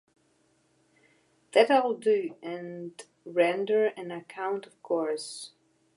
That I'll do, and render an account of course.